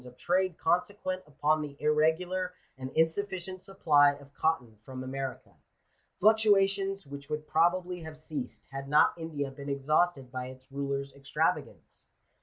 of trade consequent upon the irregular and insufficient supply of cotton from America — fluctuations which would probably have ceased, had not India been exhausted by its rulers' extravagance.